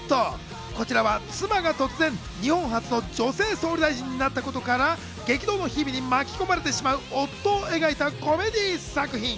こちらは妻が突然、日本初の女性総理大臣になったことから、激動の日々に巻き込まれてしまう夫を描いたコメディー作品。